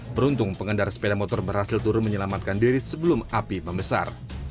beruntung pengendara sepeda motor berhasil turun menyelamatkan diri sebelum api membesar